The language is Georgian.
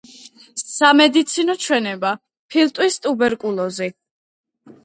სამედიცინო ჩვენება: ფილტვის ტუბერკულოზი.